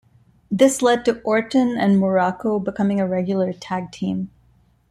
This led to Orton and Muraco becoming a regular tag team.